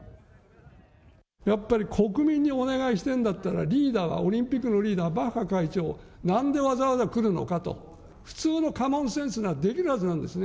やっぱり国民にお願いしてるんだったら、リーダーは、オリンピックのリーダーは、バッハ会長、なんでわざわざ来るのかと。普通のコモンセンスができるはずなんですね。